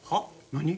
何？